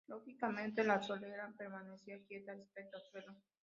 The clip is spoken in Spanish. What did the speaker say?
Lógicamente la solera permanecía quieta respecto al suelo.